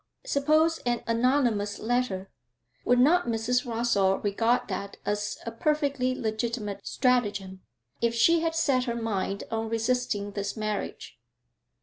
Suppose an anonymous letter. Would not Mrs. Rossall regard that as a perfectly legitimate stratagem, if she had set her mind on resisting this marriage?